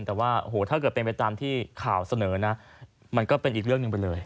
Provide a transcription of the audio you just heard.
แต่ว่าโอ้โหถ้าเกิดเป็นไปตามที่ข่าวเสนอนะมันก็เป็นอีกเรื่องหนึ่งไปเลย